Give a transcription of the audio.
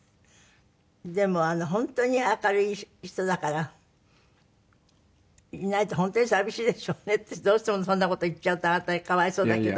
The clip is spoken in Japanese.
でも本当に明るい人だからいないと本当に寂しいでしょうねってどうしてもそんな事言っちゃうとあなたが可哀想だけど。